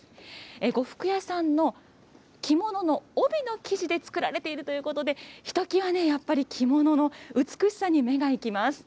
呉服屋さんの着物の帯の生地で作られているということで、ひときわやっぱり、着物の美しさに目が行きます。